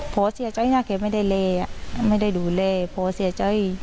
เสียใจนะแกไม่ได้เลไม่ได้ดูแลพ่อเสียใจ